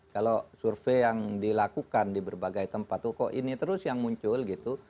kalau survei yang dilakukan di berbagai tempat itu kok ini terus yang muncul gitu